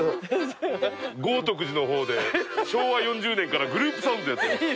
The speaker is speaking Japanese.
豪徳寺の方で昭和４０年からグループサウンズやってます